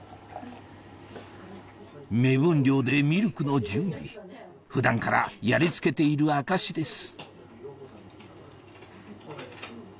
目分量でミルクの準備普段からやりつけている証しです